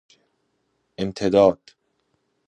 امتداد